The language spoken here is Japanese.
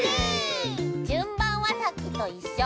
じゅんばんはさっきといっしょ。